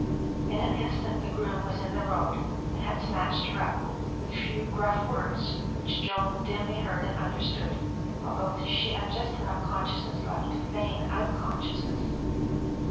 In an instant the groom was in the road and had snatched her up, with a few gruff words which Joan dimly heard and understood, although she had just enough consciousness left to feign unconsciousness.